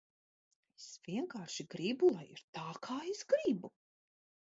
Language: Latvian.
Es vienkārši gribu, lai ir tā, kā es gribu.